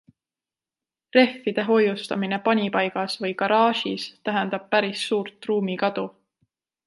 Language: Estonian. Rehvide hoiustamine panipaigas või garaažis tähendab päris suurt ruumikadu.